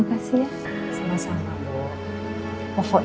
udah sama sama bu